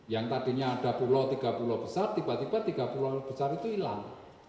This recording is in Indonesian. yang tadinya ada pulau tiga pulau besar tiba tiba tiga pulau besar itu hilang